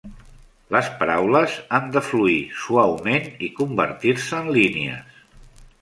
Les paraules han de fluir suaument i convertir-se en línies.